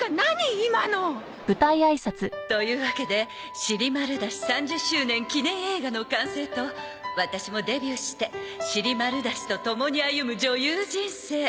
今の。というわけで『シリマルダシ』３０周年記念映画の完成とワタシもデビューしてシリマルダシとともに歩む女優人生。